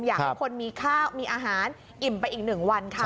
อยากให้คนมีข้าวมีอาหารอิ่มไปอีก๑วันค่ะ